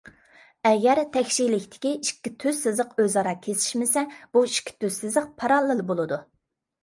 ئەگەر تەكشىلىكتىكى ئىككى تۈز سىزىق ئۆزئارا كېسىشمىسە، بۇ ئىككى تۈز سىزىق پاراللېل بولىدۇ.